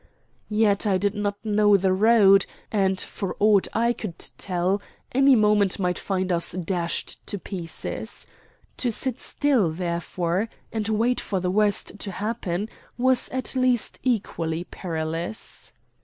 Yet I did not know the road; and, for aught I could tell, any minute might find us dashed to pieces. To sit still, therefore, and wait for the worst to happen was at least equally perilous.